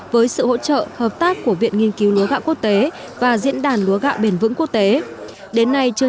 với sự hỗ trợ hợp tác của viện nghiên cứu lúa gạo quốc tế và diễn đàn lúa gạo bền vững quốc tế